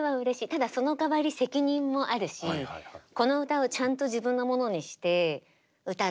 ただそのかわり責任もあるしこの歌をちゃんと自分のものにして歌っていきたい。